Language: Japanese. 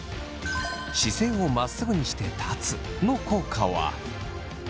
姿勢をまっすぐにして立つの効果は？